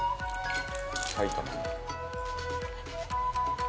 埼玉の。